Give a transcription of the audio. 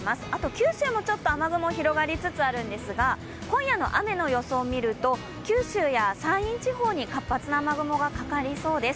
九州も雨雲、広がりつつあるんですが、今夜の雨の予想を見ると、九州や山陰地方に活発な雨雲がかかりそうです。